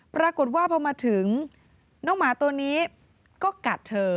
ปรากฏว่าพอมาถึงน้องหมาตัวนี้ก็กัดเธอ